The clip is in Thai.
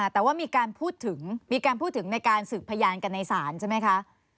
แต่ว่ามีการพูดถึงในการสืบพยานกันในสารใช่ไหมคะ